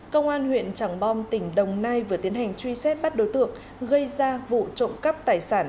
công an huyện tràng bom tỉnh đồng nai vừa tiến hành truy xét bắt đối tượng gây ra vụ trộm cắp tài sản